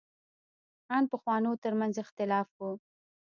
ان پخوانو تر منځ اختلاف و.